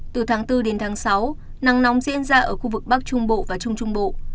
từ tháng bốn đến tháng sáu nắng nóng diễn ra ở khu vực bắc trung bộ và trung trung bộ